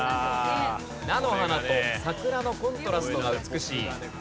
菜の花と桜のコントラストが美しい。